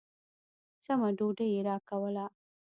سمه ډوډۍ يې راکوله.